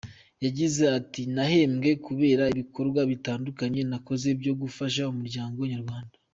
Yagize ati “Nahembwe kubera ibikorwa bitandukanye nakoze byo gufasha umuryango nyarwanda.